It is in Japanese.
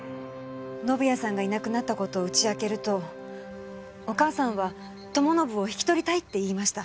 宣也さんがいなくなった事を打ち明けるとお義母さんは友宣を引き取りたいって言いました。